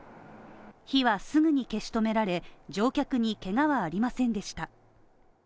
火はすぐに消し止められ、乗客にけがはありませんでした。